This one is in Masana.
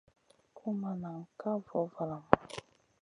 Gu ma ŋahn ka voh valamu.